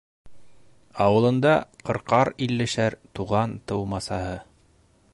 Ауылында ҡырҡар-иллешәр туған-тыумасаһы.